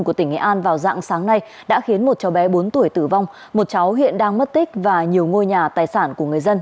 của tỉnh nghệ an vào dạng sáng nay đã khiến một cháu bé bốn tuổi tử vong một cháu hiện đang mất tích và nhiều ngôi nhà tài sản của người dân